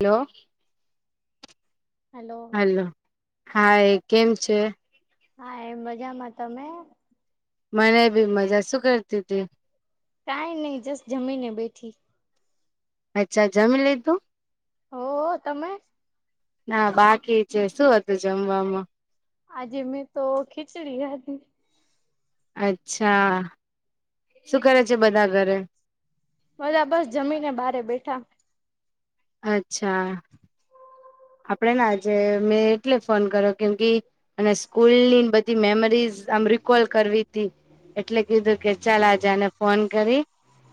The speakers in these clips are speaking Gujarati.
હલો. હેલો હાલો, હાય કેમ છે? હા એમ મજામાં, તમે? મને ભી મજા શું કરતી હતી? કાઈ નહી જસ જમીને બેઠી. અચ્છા જમી લીધું? હો તમે? ના બાકી જે, શું હતું જમવામાં? આજે મેં તો ખીચડી હતી. અચ્છા શું કરે છે બધા ઘરે? બલા બસ જમીને બહારે બેઠા. અચ્છા. આપણે ને આજે મેં એટલે ફોન કર્યો કેમ કે અને સ્કૂલ ની બધી મેમરીઝ આમ રીકોલ કરવીતી. એટલે કીધું કે ચાલ આજને ફોન કરી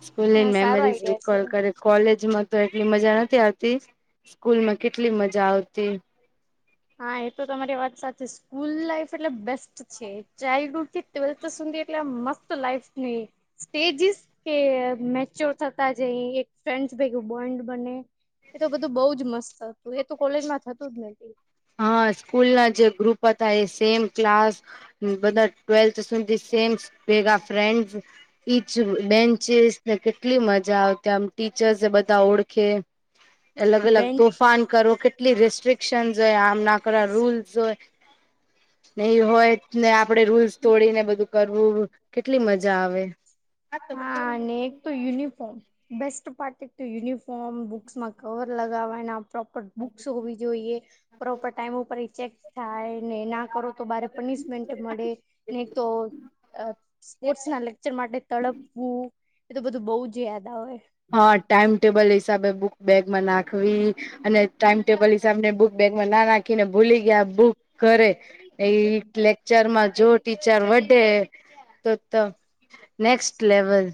સ્કૂલ સારો મેમરીઝ આઈડિયા છે રીકલ કરી કોલેજ માં તો એટલી મજા નથી આવતી સ્કૂલ માં કેટલી મજા આવતી. હા એ તો તમારી વાત સાચી, સ્કૂલ લાાઈફ એટલે બેસ્ટ છે ચાઇલ્ડહુડ થી [unintelligible] સુધી એટલે આ મસ્ત લાઈફની સ્ટેજીસ કે મેચ્યોર થતા જ અહી એક ફ્રેન્ડ ભેગું બોન્ડ બને. એ તો બધું બઉજ મસ્ત હતું એ તો કોલેજમાં થતું જ નથી. હા સ્કૂલ ના જે ગ્રુપ હતા એ સેમ ક્લાસ બધા ટ્વેલ્થ સુધી સેમ ભેગા ફ્રેન્ડ ઇચ બેન્ચિસ ને કેટલી મજા આવતી આમ ટીચર્સ બધા ઓળખે. અલગ અલગ બેન્ચ તોફાન કરો કે કેટલી રેસ્ટ્રિકશન્સ હોય આમના કરા રૂલ્સ હોય. નહી હોય ને આપડે રૂલ્સ તોડીને બધું કરવું કેટલી મજા આવે. હા તો બ અને એક યુનિફોર્મ બેસ્ટ પાર્ટ યુનિફોર્મ બુક્સમાં કવર લગાવવાના પ્રોપર બુક્સ હોવી જોઈએ પ્રોપર ટાઈમ ઉપર ચેક થાય ને ના કરો તો ભારે પનિશમેન્ટ મળે નહીં તો સ્પોર્ટ્સ ના લેક્ચર માટે તડપવું એ તો બધું બહ જ યાદ આવે હા ટાઈમટેબલ હિસાબે બુક બેગમાં નાખવી અને ટાઈમટેબલ એમને બુક બેગમાં ના નાખીને ભૂલી ગયા બુક કરે એ લેક્ચર માં જો ટીચર વટે તો નેક્સ્ટ લેવલ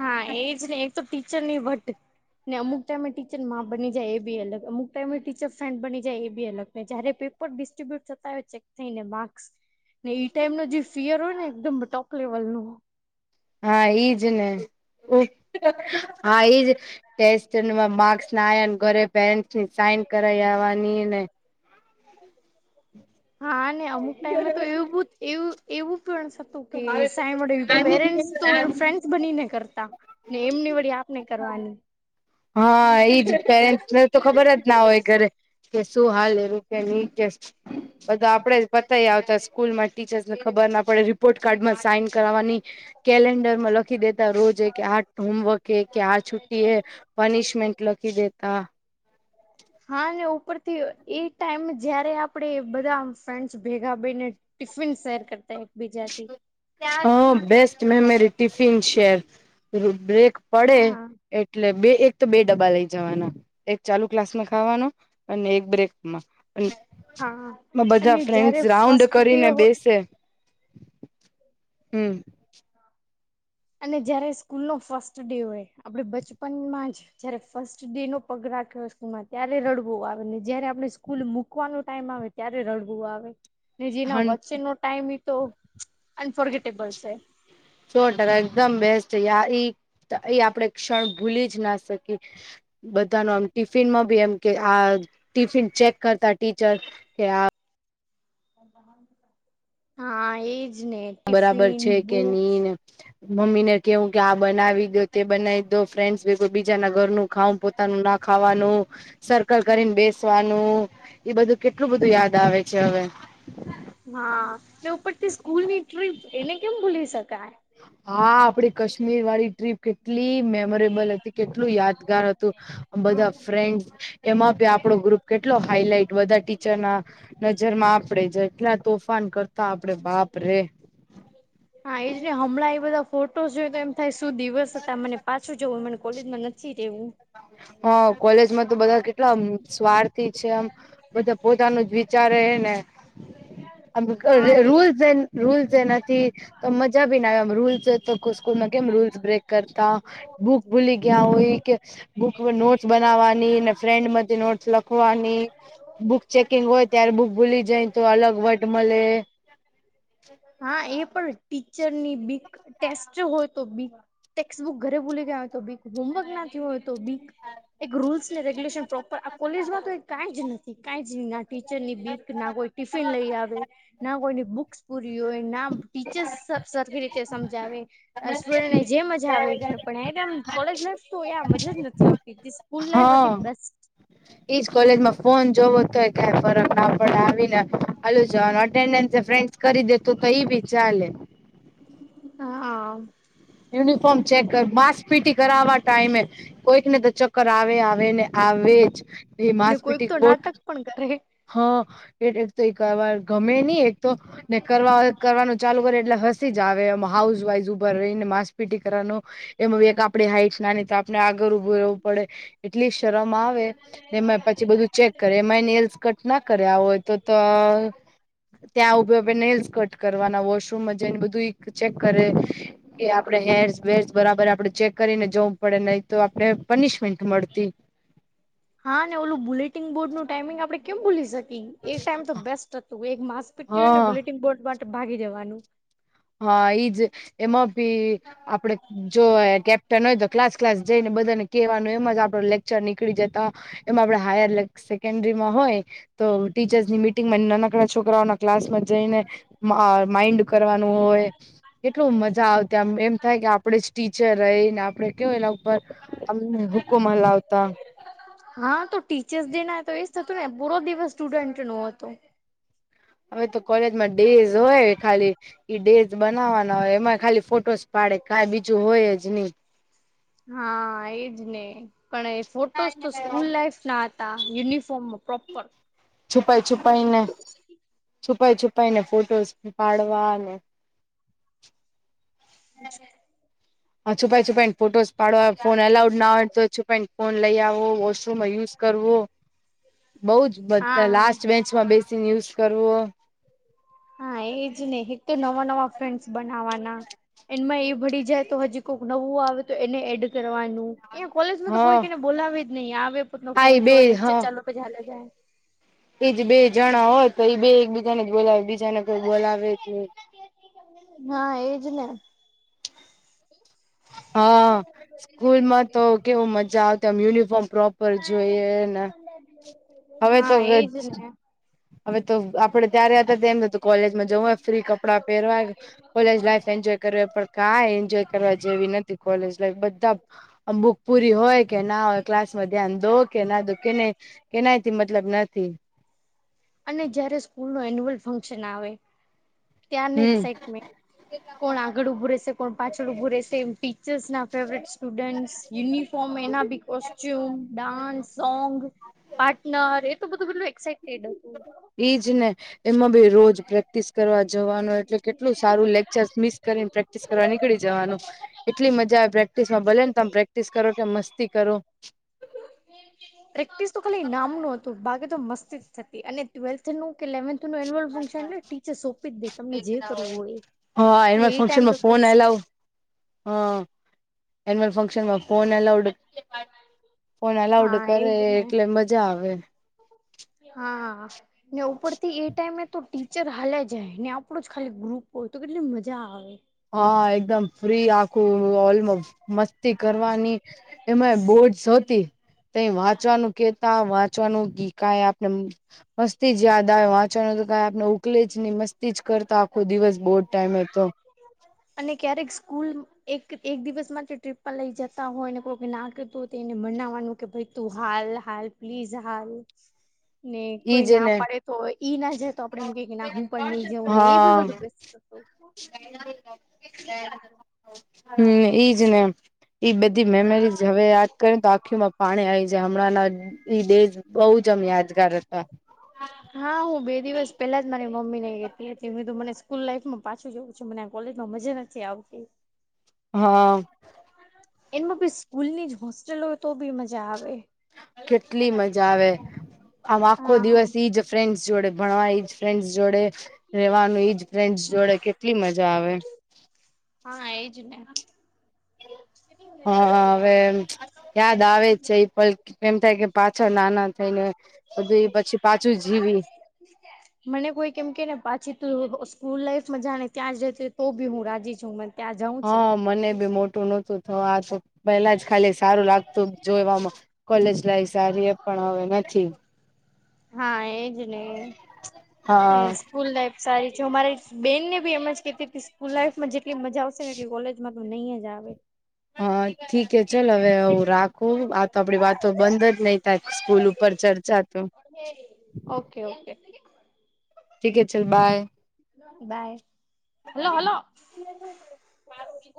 હા એજ નહી એક તો ટીચર નહી બટ ને અમુક ટાઈમે ટીચ મા બની જાય એ બી અલગ અમુક ટાઈમે ટીચર ફ્રેન્ડ બની જાય એ બી અલગ જયારે પેપર ડિસ્ટ્રીબ્યુટ થતા હોય ચેક થઈને માર્ક્સ ને ઈ ટાઈમ નો જે ફિયર હોય ને એકદમ ટોપ લેવલ નો હોય હા એઈજ ને હા એઈજ ટેસ્ટ માર્ક્સ [unintelligible] સાઈન કરવાનીને હા ને અમુક ટાઈમે તો એવું બ એવું એવું પણ કે સાઈ માટે પેરેન્ટસ તો ફ્રેન્ડસ બનીને કરતા ને એમની વળી આપને કરવાની હા એઈજ પેરેન્ટ્સને તો ખબર જ ના હોય ઘરે કે શું હાલ એવું કે નહી કે બધા આપડે જ પતાય આવતા સ્કૂલ માં ટીચર્સ ને ખબર ના પડે પોર્ટ કાર્ડમાં સાઈન કરવાવાની કેલેન્ડર માં લખી દે રોજ કે આ હોમવર્ક હ કે આ છુ્ટી હ પનિશમેન્ટ લખી દેતા હા ઉપરથી એ ટાઈમ જયારે આપડે બધા ફ્રેન્ડસ ભેગા ભઈને ટિફિન શેર કરતા એકબીજાથી હા best memory tiffin share break પડે હા એટલે બે એક તો બે ડબ્બા લઈ જવાના એક ચાલુ ક્લાસમાં ખાવાનો અને એક બ્રેકમાં હા બધા અને જયારે ફ્રેન્ડ રાઉન્ડ ફર્સ્ટ ડે કરીને બેસે હમ અને જયારે સ્કૂલ નો ફર્સ્ટ ડે હોય આપડે બચપનમાં જ જયારે ફર્સ્ટ ડે નો પગ રાખ્યો સ્કૂલમાં ત્યારે રડવો આવે ને જયારે આપણે સ્કૂલ મૂકવાનો ટાઈમ આવે ત્યારે રડવું આવે ને હ જેના વચ્ચેનોો ટાઈમ એ તો અનફર્ગેટેબલ છે. છોકરા એકદમ બેસ્ટ યારી તો એ આપણેે ક્ષણ ભૂલી જ ના શકીએ બધા ન આમ ટિફિનમાં બી એમ કે આ ટિફિન ચેક કરતા ટીચર કે આ હા એજ ને બરાબર ટિફિન છે કે બુક્સ નહી ને મમ્મી ને કેવું કે આ બનાવી દો તે બનાવી દો ફ્રેન્ડ કોઈ બીજા ના ઘરનું ખાઉ પોતાનું ના ખાવાનું સર્કલ કરીને બેસવાનું એ બધું કેટલું બધું યાદ આવે છે હવે હા ને ઉપરથી સ્કૂલ ની ટ્રીપ એને કેમ ભૂલી શકાય હા આપે કાશ્મીર વાળી ટ્રીપ કેટલી મે મોમ્બોરેબલ હતી કેટલું યાદગાર હતું હા બધા ફ્રેન્ડ એમાંભી આપડુ ગ્રુપ કેટલો હાઈલાઈટ બધા ટીચરના નજરમાં આપણેે જેટલા તોફાન કર તો આપડે બાપરે હા, એજ ને હમણાં એ બધા ફોટોસ જોય તે એમ થાય શું દિવસ હતા મને પાછું જવું મને કોલેજમાં નથી રહેવું. હા, કોલેજમાં તો બધા કેટલામ સ્વાર્થી છે આમ બધા પોતાનુંજ વિચારે ને આમ ગે રૂલ્સ એ રૂલ્સ નથી તો મજા ભી ના આવે આમ રૂલ્સ તોક કોસ સ્કૂલમાં કેમ રૂલ્સ્ બ્રેક કરતા બુક ભૂલી ગયા હોય કે બુક નોટ્સ બનાવાની ને ફ્રેન્ડમાથી નોટસ લખ ભોવાની બુક ચેકિંગ હોય ત્યારે બુક ભૂલી જાય તો અલગ વટ મલે [unintelligible] હા એ પણ ટીચરની બીક ટેસ્ટ હો તો બીક ટેક્સ બુક ઘરે ભૂલી ગયા હોય તો બીક હોમવર્ક ના થિયુ હોય તો બીક એક રૂલ્સ ને રેગ્યુલેશન પ્રોપર આ કોલેજમાં કઈ કાઈ જ નથી કાઈ જ ના ના ટીચરની બીક ના હોઈ ટિફિન લઈ આવે ના કોઈની બુક્સ પૂરી હોય નામ્ ટીચર્સ સર-સરખી રીતે સમ જાવે આ સ્ટુડન્ટને જે મજા આવે ઘરે પણ એક આમ કોલેજ લાઈફ તોયે મજા જ નથી આવ તી જે સ્કૂલ લાઈફ હતી બેસ્ટ હ [inaudible] ઈજ કોલેજમાં ફોન જેવો તોય કાંઈ ફરક નાપડે આવી ને જવાનું અટેન્ડેન્સ એ ફ્રેન્ડસ કરી દે તો તો ઈ ભી ચાલે. હા આ. યુનિફોર્મ ચેક કર માસ્ક પી ટી કરાવા ટાઈમે કોઈકને તો ચક્કર આવે આવે ને આવે જ જે ને માસ પી કોઈક ટી તો કે બોટ નાટક પણ કરે હ એલે તો એક વાર ગમે ની એક તો ને કરવા કરવાનું ચાલુ કરે એટલે હસી જ આવે એમ હાઉસ વાઈઝ ઉભા રહીને મા માસ પી ટી કરવાનું એમ એક આપડે હાઇટ્સ નાની તો આપના આગ તો ઉભું રહેવું પડે એટલી શરમ આવે ને મેં પછી બધું ચેક કરે એમાંયને નીલ્સ કટ ના કર્યા હોય તો તો ત્યાં ઉભી ઉભીને નેઇલ્સ કટ કરવાના વોશરૂમમાં જઈને બધું ઈ ચેક કરે કે આપડે હેર્સ વેર્સ બરાબર આપડે ચેક કરીને જઉં પઢે નહી તો આપડે પનિશમેન્ટ મળતી. હા, ને ઓલું બુલેટિન બોર્ડનું ટાઈમિંગ આપડે કેમ ભૂલી શક તી એ ટાઈમ તો બેસ્ટ હતું એક માસ્સ પી ટી હોય ને હા બુલેટિંગ બોર્ડ માટે ભાગી જવાનું. હા, ઈજ એમાં ભી આપડે જો એ કેપ્ટનજ ક્લાસ ક્લાસ જઈને બધાને કેવાનું એમજ આપડો લેક્ચર નીકળી જતા. એમાં આપડે હાયર લેક સે કેન્દ્રિમાં હોય તો ટીચર્સની મિટિંગમાં નાનકડા છોકરાઓના ક્લાસમાં જઈને મા અહ માઈન્ડ કરવાનું હોય કેટલું મજા આવ ત્યા એમ થાય કે આપડે જ ટીચર રહી ને આપડે કેવું એના ઉપર અમને હુકુ મલાવતા હા, તો ટીચર્સ ડે ના તો એજ હતું ને પૂરો દિવસ સ્ટુડન્ટનો હતો. હવે તો કોલેજમાં ડેઈઝ હોય ખાલી ઈ ડેઝ બનાવવાના હોય એમાં ખાલી ફોટોસ પાડે કાઈ બીજું હોયજ ની. હા, એજ ને. પણ એ ફોટોસ તો સ્કૂલ લાઈફ ના હતા યુનિફોર્મ પ્રોપર. છુપાઈ છુપાઈને છુપાઈ છુપાઈને ફોટોસ પાડવાને હુ છે? હા છુપાઈ છુપાઈ ફોટોસ પાડવા ફોન અલાઉડ ના હોય તો છુપાઈ ફોન લઈ આવો, વોશરૂમ યુઝ કરવો. બઉ જ બધા હા લાસ્ટ મેચમાં બેસીને યુઝ કરવો. હા એજ ને એક નવા નવા ફ્રેન્ડસ બનાવવાના. એમાં એ ભળી જાય તો હજી કોક નવું આવે તો એને એડ કરવાનું. કોલેજમાં તો હા કોઈ કને બોલાવી જ નહી આવે પોતનો હા ફોન એ બે જો લેકચર હા ચાલ કે હાલે જાય. એજ બે જણા હોય તો એ બે એકબીજાને જ બોલાવે બીજાને કોઈ બોલાવે જ નહી. હા એજ ને. [inaudible] હા સ્કૂલમાં તો કેવું મજા આવતીમ યુનિફોર્મ પ્રોપર જોઈએને હવે તો, હા એજ ને હવે તો આપણે ત્યારે હતા તેમ કોલેજમાં જવું હોય ફ્રી કપડાં પહેરવાય કોલેજ લાઈફ એન્જોય કરવી પડ કાઈ એન્જોય કરવા જેવી નથી કોલેજ લાઈફ બધા બુક પૂરી હોય કે ના હોય ક્લાસ માં ધ્યાન દો કે ના દો કેને કેનાયથી મતલબ નથી. અને જયારે સ્કૂલ નો એન્યુઅલ ફંક્શન આવે ત્યાંને હમ એક્સાઇટમેન્ટ. કોણ આગળ ઉભું રહેશે, કોણ પાછળ ઉભું રહેશે એમ ટીચર્સ ના ફેવરેટ સ્ટુડન્ટ યુનિફોર્મ એના બી કોસ્ટ્યુમ, ડાન્સ, સોંગ, પાર્ટનર એ તો બધું બધું એક્સાઈટેડ હોય. ઈજ ને એમાં ભી રોજ પ્રે પ્રેક્ટિસ કરવા જવાનું એટલે કેટલું સારું લેક્ચર્સ મિસ કરીને પ્રેક્ટ પ્રેક્ટિસ કરવા નીકળી જવાનું એટલી મજા આવે પ્રેક્ટિસમાં ભલે ને તમે પ્રેક્ટિસ કરો કે મસ્તી કરો. [inaudible] પ્રેક્ટિસ તો ખાલીઇ નામનું હતું બાગે તો મસ્તી જ થતી અને ટ્વેલ્થ નું કે લેવથ એન્યુઅલ ફંક્શન એ ટીચર સોંપી જ દે તમને જે કરવું હોય એ. હા એટલે એમાં એ ફંક્શન ટાઈમ તો માં ફોન બેસ્ટ અલાવ હા, એનુંઅલ ફંશનમાં ફોન અલાઉડ ફોન અલાઉડ હા કરે એજ ને એટલે મજા આવે. હા. ને ઉપરથી એ ટાઈમે તો ટીચર હાલે જાય ને આપણો જ ખાલી ગ્રુપ હોય તો કેટલી મજા આવે. હા, એકદમ ફ્રી આખું ઓલમાં મસ્તી કરવાની એમાંય બોડસ હતી. તયે વાંચવાનું કેતા વાંચવાનું ગી કા એ આપણે મસ્તી જ યાદ આવ વાંચણ તો કઈ આપને ઉકલે જ નહી મસ્તી જ કરતા આખો દિવસ બહુ જ ટાઈમે હતો. અને ક્યારેક સ્કૂલ એક એક દિવસ માટે ટ્રીપમાં લઈ જતા હોય ને કોક ના કેતુ તેને મનાવાનું કે ભાઈ તું હાલ હાલ પ્લીઝ હાલ. [inaudible] ને કોઈ ઈજ ના ને પાડે તો ઈ ના જાય તો આપડે એમ કે કે ના હું પણ નઈ જઉં ને એ બી બધું બે [inaudible] હમ્મ, ઈજ ને. ઈ બધી મેમરીઝ હવે યાદ કરી તો આખી પાણી આવી જાય હમણાંના ઈ ડે બહુ જમ યાદગાર હતા. હા હું બે દિવસ પેલા જ મારી મમ્મી ને ગેતી હતી હીધું મને સ્કૂલ લાઈફમાં પાછું જોવું છે, મને આ કોલેજમાં મજા નથી આવતી. હા. એમાં બી સ્કૂલ ની જ હોસ્ટેલ હોય, તો બી મજા આવે. કેટલી મજા આવે, આમ આખો હા દિવસ ઈ જ ફ્રેન્ડસ જોડે ભણવાઈ જ ફ્રેન્ડ્સ જોડે રેવાનું, ઈજ ફ્રેન્ડસ જોડે કેટલી મજા આવે. હા, એજ ને [unintelligible] હા, હવે એમ યાદ આવે છે એ પલ એમ થાય કે પાછા નાના થઈ ને, બધું એ પછી પાછું જીવી મને કોઈક એમ કે ને પાછી તું સ્કૂલ લાઈફમાં જા ને ત્યાં જ રેતી હોય, તો બી હું રાજી છુ મને ત્યાં જઉં છે. હા, મને બી મોટું નહોતું થવું આ તો પેલા જ ખાલી સારું લાગતું જોવામાં કોલેજ લાઈફ સારી એ પણ હવે નથી. હા, એજ ને, હા એજ સ્કૂલ લાઈફ સારી જો અમારી બેનને બી એમ જ કેતી સ્કૂલ લાઈફ માં જેટલી મજા આવશે એટલી કોલેજમાં તો નહી જ આવે. હા, ઠીક હે ચલ હવે રાખો આપડી વાતો બંધ જ નહી થાય સ્કૂલ ઉપર ચર્ચા તો ઓકે, ઓકે. ઠીક હે ચલ બાય. બાય, હલો-હલો કોઈ